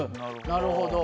なるほど。